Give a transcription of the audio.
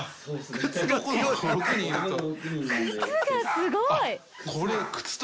靴がすごい！